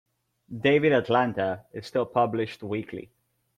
"David Atlanta" is still published weekly.